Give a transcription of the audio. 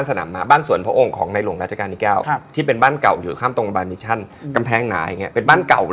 แล้วไงพอเรารู้นอนไหมห้องนั้น